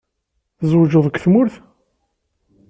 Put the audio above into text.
Tzewǧeḍ deg tmurt?